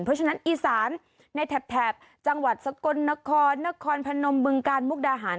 เพราะฉะนั้นอีสานในแถบจังหวัดสกลนครนครพนมบึงกาลมุกดาหาร